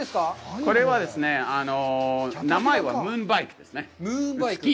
これはですね、ムーンバイクですね。